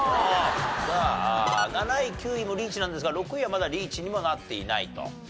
さあ７位９位もリーチなんですが６位はまだリーチにもなっていないと。